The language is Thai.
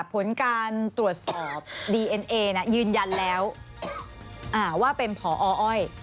ผลการตรวจสอบดีเอ็นเอยืนยันแล้วว่าเป็นพออ้อย